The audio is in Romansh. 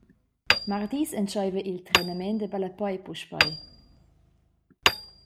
Mardis entscheiva il trenament da ballapei puspei.